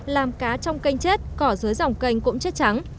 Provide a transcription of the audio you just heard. làm cá trong kênh chết cỏ dưới dòng kênh cũng chết trắng